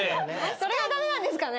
それがだめなんですかね。